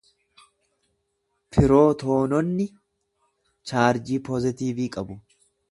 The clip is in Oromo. Pirootoononni chaarjii poozatiivii qabu.